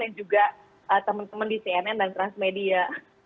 dan juga temen temen di cnn dan transmedia